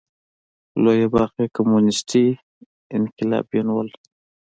لویه برخه یې کمونېستي انقلابیون وو.